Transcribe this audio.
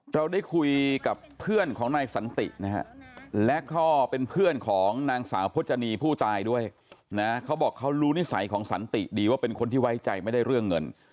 เราได้คุยกับเพื่อนของนายสันตินะฮะและก็เป็นเพื่อนของนางสาวพจนีผู้ตายด้วยนะเขาบอกเขารู้นิสัยของสันติดีว่าเป็นคนที่ไว้ใจไม่ได้เรื่องเงิน